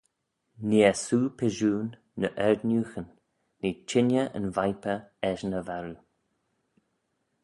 Nee eh soo pyshoon ny ard-nieughyn: nee chengey yn viper eshyn y varroo.